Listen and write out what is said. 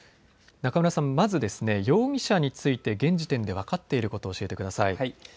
中村さん、まず容疑者について現時点で分かっていることを教えてください。